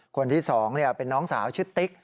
คนที่๒เป็นน้องสาวชื่อติ๊ก